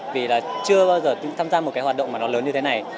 vì là chưa bao giờ tham gia một cái hoạt động mà nó lớn như thế này